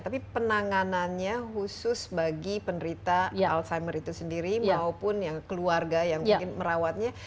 tapi penanganannya khusus bagi penderita alzheimer itu sendiri maupun yang keluarga yang mungkin merawatnya